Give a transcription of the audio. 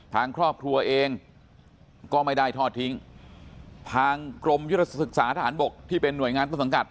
ทางครอบครัวเองก็ไม่ได้ทอดทิ้งทางกรมยุทธศึกษาทหารบกที่เป็นห่วยงานต้นสังกัด